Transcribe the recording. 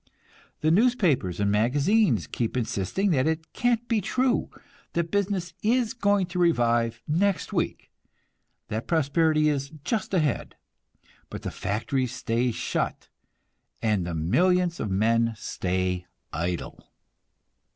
The newspapers and magazines keep insisting that it can't be true, that business is going to revive next week, that prosperity is just ahead. But the factories stay shut, and the millions of men stay idle.